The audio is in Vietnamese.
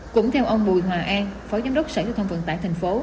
cũng theo ông bùi hòa an phó giám đốc sởi giao thông vận tải tp